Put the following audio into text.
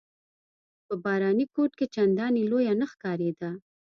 په باراني کوټ کې چنداني لویه نه ښکارېده.